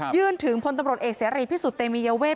ถึงพลตำรวจเอกเสรีพิสุทธิ์เตมียเวท